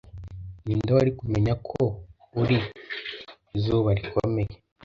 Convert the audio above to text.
ni nde wari kumenya yuko uri izuba rikomeye